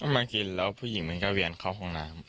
มากินแล้วผู้หญิงมันก็เวียนเข้าห้องน้ำ